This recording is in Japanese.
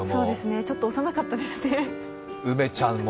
ちょっと押さなかったですね。